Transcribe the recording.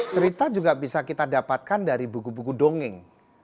cerita juga bisa kita dapatkan dari buku buku dongeng